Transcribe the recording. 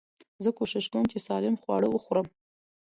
زه کوشش کوم، چي سالم خواړه وخورم.